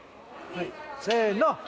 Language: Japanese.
はいせーの。